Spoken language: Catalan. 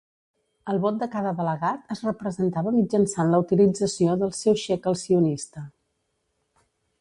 El vot de cada delegat es representava mitjançant la utilització del seu xéquel sionista.